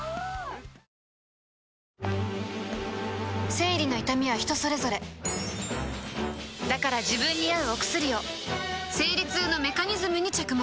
生理の痛みは人それぞれだから自分に合うお薬を生理痛のメカニズムに着目